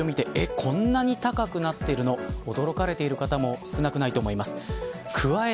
毎月、明細を見てこんなに高くなってるのと驚かれてる方も少なくないと思います。